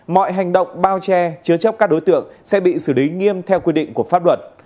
mọi hành động bao che chứa chấp các đối tượng sẽ bị xử lý nghiêm theo quy định của pháp luật